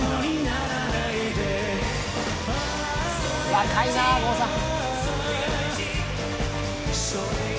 若いな郷さん。